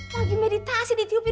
lagi meditasi ditiupin